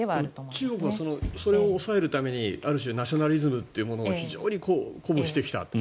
中国はそれを抑えるためにある種、ナショナリズムを非常に鼓舞してきたと。